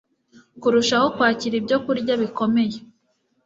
kurushaho kwakira ibyokurya bikomeye